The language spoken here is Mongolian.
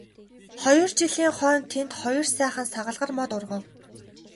Хоёр жилийн хойно тэнд хоёр сайхан саглагар мод ургав.